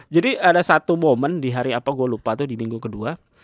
jadi ada satu momen di hari apa gue lupa tuh di minggu kedua